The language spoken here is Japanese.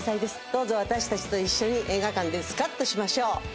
どうぞ私たちと一緒に映画館でスカッとしましょう。